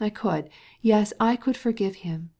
Yes, I could forgive it.